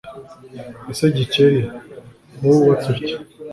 ese Gikeli, ko wubatse utya,